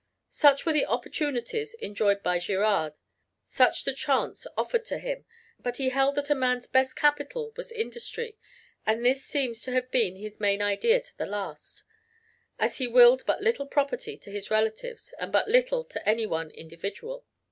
Such were the opportunities enjoyed by Girard; such the chance offered to him, but he held that a man's best capital was "industry," and this seemed to have been his main idea to the last; as he willed but little property to his relatives, and but little to any one individual.